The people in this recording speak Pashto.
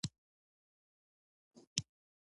هیڅوک به مې یاد نه کړي